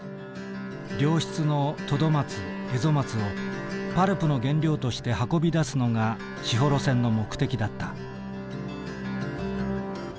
良質のトドマツエゾマツをパルプの原料として運び出すのが士幌線の目的だった。